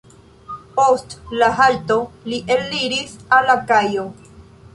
Post la halto li eliris al la kajo.